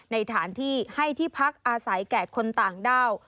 ในฐานที่ให้ที่พักอาศัยแก่คนต่างด้าว